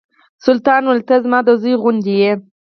سلطان ویل ته زما د زوی غوندې یې.